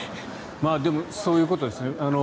でも、そういうことですね。